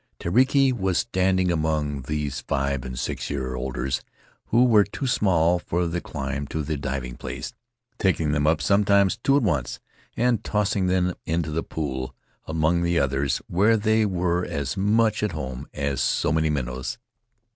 Tereki was standing among these five and six year olders, who were too small for the climb to the diving place, taking them up, sometimes two at once, and tossing them into the pool among the others, where they were as much at home as so many minnows.